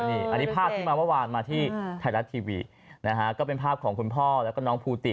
อันนี้ภาพที่มาเมื่อวานมาที่ไทยรัฐทีวีนะฮะก็เป็นภาพของคุณพ่อแล้วก็น้องภูติ